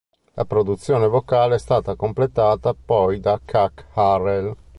La produzione vocale è stata completata poi da Kuk Harrell.